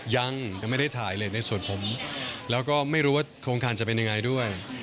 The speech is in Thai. ยังไม่ได้ถ่ายเลยในส่วนผมแล้วก็ไม่รู้ว่าโครงการจะเป็นยังไงด้วย